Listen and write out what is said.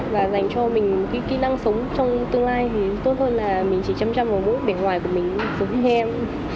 và dành cho mình kĩ năng sống trong tương lai thì tốt hơn bạn chỉ chăm chăm bỏ vụt bẻ ngoài của mình giống như hem